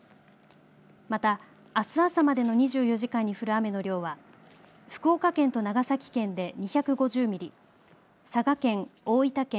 またあす朝までの２４時間に降る雨の量は福岡県と長崎県で２５０ミリ、佐賀県、大分県